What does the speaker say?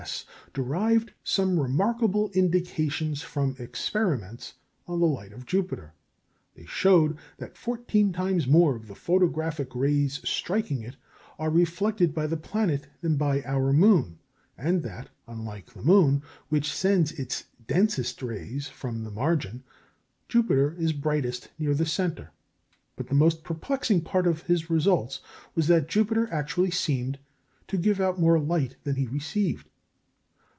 S.) derived some remarkable indications from experiments on the light of Jupiter. They showed that fourteen times more of the photographic rays striking it are reflected by the planet than by our moon, and that, unlike the moon, which sends its densest rays from the margin, Jupiter is brightest near the centre. But the most perplexing part of his results was that Jupiter actually seemed to give out more light than he received.